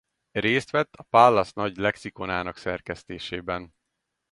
Részt vett A Pallas nagy lexikonának szerkesztésében.